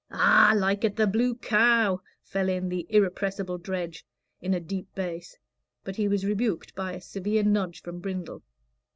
"Aw, like at the Blue Cow," fell in the irrepressible Dredge, in a deep bass; but he was rebuked by a severe nudge from Brindle.